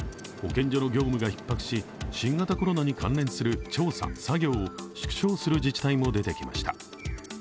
保健所の業務がひっ迫し、新型コロナに関連する調査・作業を縮小する自治体も出てきました。